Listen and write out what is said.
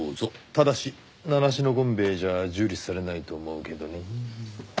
ただし名無しの権兵衛じゃ受理されないと思うけどね。